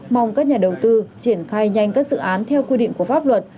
mong các nhà đầu tư triển khai nhanh các dự án theo quy định của pháp luật